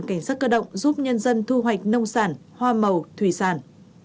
cảnh sát cơ động giúp nhân dân thu hoạch nông sản hoa màu thủy sản